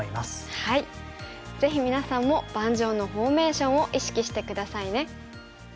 ぜひみなさんも盤上のフォーメーションを意識して下さいね。